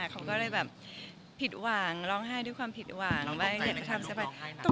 เขาก็เลยผิดหวังร้องไห้ด้วยความผิดหวังไม่เป็นกระทำเสียร้อน